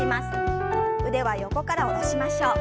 腕は横から下ろしましょう。